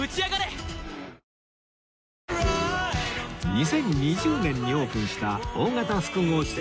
２０２０年にオープンした大型複合施設